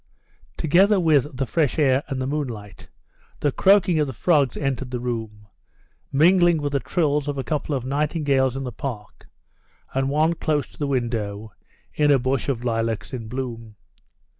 Together with the fresh air and the moonlight, the croaking of the frogs entered the room, mingling with the trills of a couple of nightingales in the park and one close to the window in a bush of lilacs in bloom.